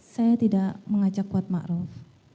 saya tidak mengajak kuat ma'ruf